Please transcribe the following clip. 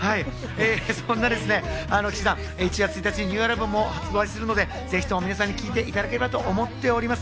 そんな氣志團、１月１日にニューアルバムも発売するので、是非とも皆さんに聴いていただけたらと思います。